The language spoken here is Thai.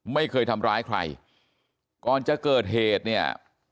ไม่เคยทำร้ายใครก่อนจะเกิดเหตุเนี่ย